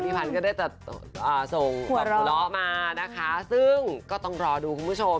พี่พันก็ได้ส่งหัวเราะมานะคะซึ่งก็ต้องรอดูคุณผู้ชม